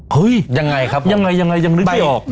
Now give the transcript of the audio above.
เฮ้ยยังไงครับยังไงยังนึกได้ออก